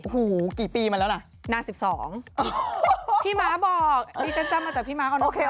หูกี่ปีมันแล้วนะพี่ม้าบอกดิฉันจำมาจากพี่ม้าออนภา